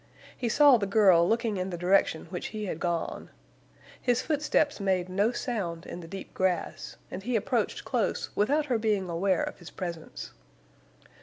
He saw the girl looking in the direction he had gone. His footsteps made no sound in the deep grass, and he approached close without her being aware of his presence.